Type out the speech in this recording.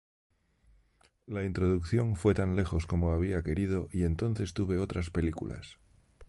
La introducción fue tan lejos como había querido y entonces tuve otras películas.